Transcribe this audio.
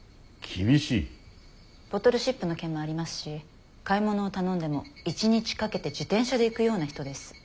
ボトルシップの件もありますし買い物を頼んでも一日かけて自転車で行くような人です。